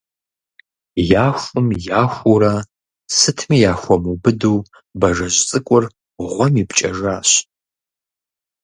Яхум-яхуурэ – сытми яхуэмубыду Бажэжь цӀыкӀур гъуэм ипкӀэжащ.